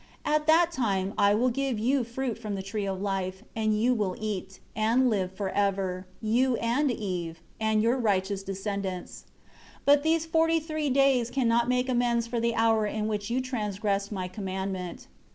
At that time I will give you fruit from the Tree of Life, and you will eat, and live forever, you, and Eve, and your righteous descendants. 3 But these forty three days cannot make amends for the hour in which you transgressed My commandment.